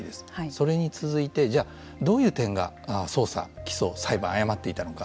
それに続いてどういう点が捜査、起訴裁判誤っていたのか。